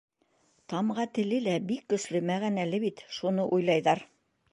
Тамға теле лә бик көслө, мәғәнәле бит, шуны уйлайҙар.